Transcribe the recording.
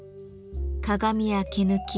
鏡や毛抜き